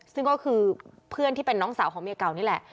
ซึ่งก็คือเพื่อนที่เป็นน้องสาวของเมียเก่านี่แหละ